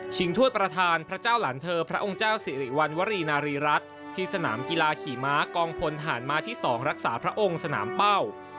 ถ้วยประธานพระเจ้าหลานเธอพระองค์เจ้าสิริวัณวรีนารีรัฐที่สนามกีฬาขี่ม้ากองพลฐานม้าที่๒รักษาพระองค์สนามเป้า